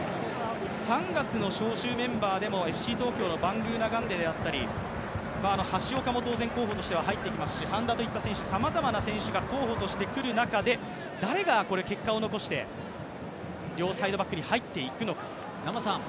３月招集メンバーでもＦＣ東京のバングーナガンデであったり橋岡も当然候補に入ってきますしさまざまな選手が候補として来る中で、誰が結果を残して両サイドバックに入っていくのか。